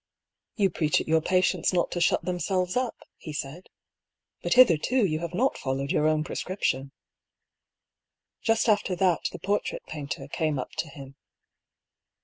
"You preach at your patients not to shut them selves up," he said. " But hitherto you have not fol lowed your own prescription." Just after that the portrait painter came up to him.